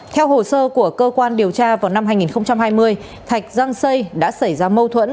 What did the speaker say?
theo hồ sơ của cơ quan điều tra vào năm hai nghìn hai mươi thạch răng xây đã xảy ra mâu thuẫn